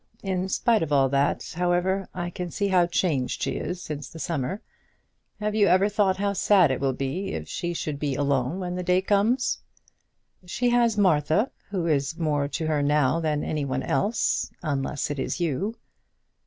In spite of all that, however, I can see how changed she is since the summer. Have you ever thought how sad it will be if she should be alone when the day comes?" "She has Martha, who is more to her now than any one else, unless it is you."